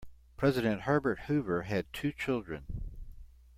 President Herbert Hoover had two children.